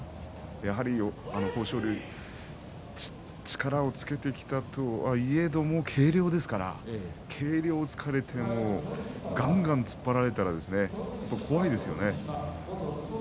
やはり豊昇龍は力をつけてきたとはいえども軽量ですから軽量を突かれてがんがん突っ張られたら怖いですよね。